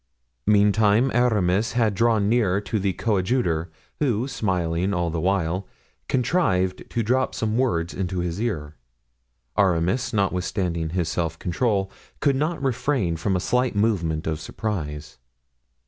Meantime Aramis had drawn near to the coadjutor, who, smiling all the while, contrived to drop some words into his ear. Aramis, notwithstanding his self control, could not refrain from a slight movement of surprise.